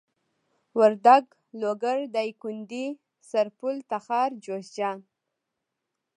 وردک لوګر دايکندي سرپل تخار جوزجان